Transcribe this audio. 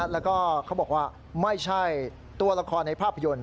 แล้วก็เขาบอกว่าไม่ใช่ตัวละครในภาพยนตร์